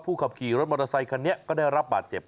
ขับขี่รถมอเตอร์ไซคันนี้ก็ได้รับบาดเจ็บ